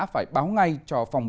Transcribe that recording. phải báo ngay cho phòng báo